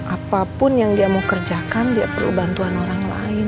apapun yang dia mau kerjakan dia perlu bantuan orang lain